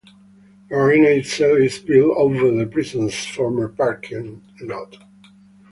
The arena itself is built over the prison's former parking lot.